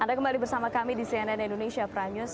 anda kembali bersama kami di cnn indonesia prime news